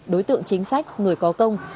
đối tượng chính sách người có công